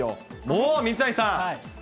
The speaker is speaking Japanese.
もう水谷さん。